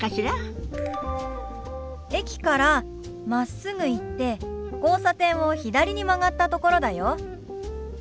駅からまっすぐ行って交差点を左に曲がったところだよ。